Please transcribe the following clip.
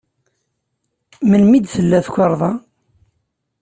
Melmi d-tella tukerḍa?